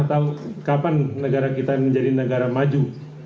karena tahu kapan negara kita menjadi negara maju